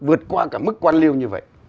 vượt qua cả mức quan liêu như vậy